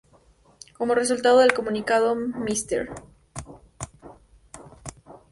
Como resultado del comunicado, Mr.